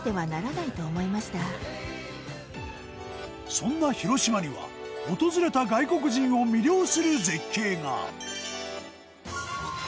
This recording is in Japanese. そんな広島には訪れた外国人を魅了する絶景が。